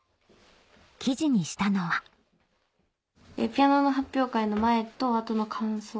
記事にしたのはピアノの発表会の前と後の感想。